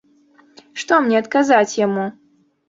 Што мне адказаць яму?